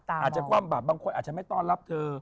อาจจะความแบบบางคนอาจจะไม่ต้อนรับเธอ